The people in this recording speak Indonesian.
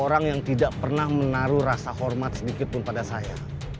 orang yang tidak pernah menaruh rasa hormat sedikitpun pada saya